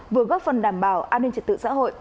vừa góp phần đảm bảo an ninh trật tự xã hội